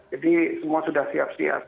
jadi semua sudah siap siap